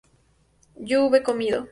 yo hube comido